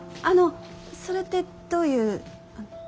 あのそれってどういう。